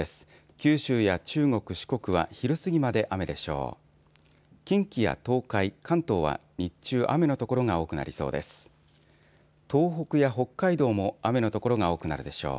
九州や中国、四国は昼すぎまで雨でしょう。